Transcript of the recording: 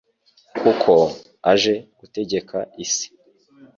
kuko aje gutegeka isi